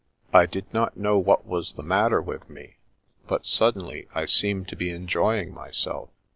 I did not know what was the matter with me, but suddenly I seemed to be enjoying myself.